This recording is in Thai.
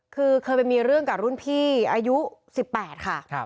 คือเคยไปมีเรื่องกับรุ่นพี่อายุ๑๘ค่ะ